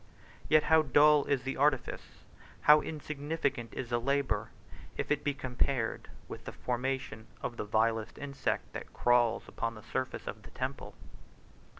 Yet how dull is the artifice, how insignificant is the labor, if it be compared with the formation of the vilest insect that crawls upon the surface of the temple!